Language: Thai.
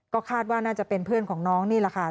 ก็คาดว่าน่าจะเป็นเพื่อนของน้องนี่แหละค่ะ